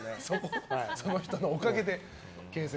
その人のおかげで。